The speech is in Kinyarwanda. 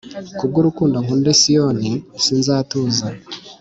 Ku bw urukundo nkunda i Siyoni sinzatuza